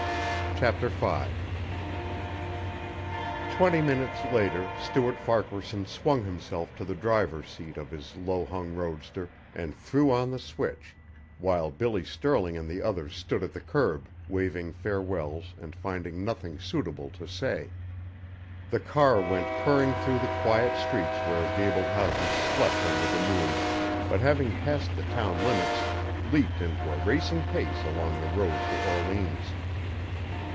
CHAPTER V Twenty minutes later Stuart Farquaharson swung himself to the driver's seat of his low hung roadster, and threw on the switch, while Billy Stirling and the others stood at the curb, waving farewells and finding nothing suitable to say. The car went purring through the quiet streets where gabled houses slept under the moon, but having passed the town limits, leaped into a racing pace along the road for Orleans.